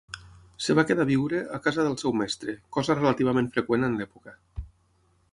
Es va quedar a viure a casa del seu mestre, cosa relativament freqüent en l'època.